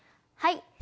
はい。